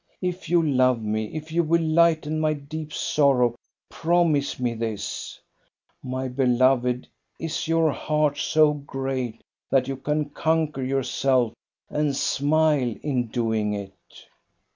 If you love me, if you will lighten my deep sorrow, promise me this ! My be loved, is your heart so great that you can conquer yourself, and smile in doing it?